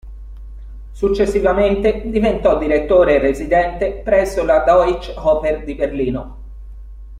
Successivamente diventò direttore residente presso la Deutsche Oper di Berlino.